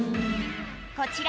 こちら